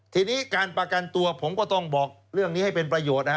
ทีนี้การประกันตัวผมก็ต้องบอกเรื่องนี้ให้เป็นประโยชน์นะฮะ